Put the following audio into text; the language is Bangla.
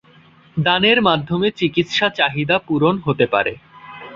দানের মাধ্যমে চিকিৎসা চাহিদা পূরণ হতে পারে।